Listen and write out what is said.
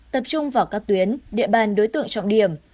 tập trung vào các tuyến địa bàn đối tượng trọng điểm